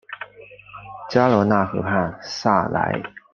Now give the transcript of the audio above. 加罗讷河畔萨莱。